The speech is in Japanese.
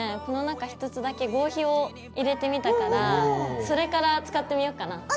この中１つだけ合皮を入れてみたからそれから使ってみようかな。